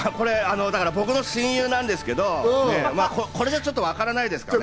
僕の親友なんですけど、これじゃわからないですかね？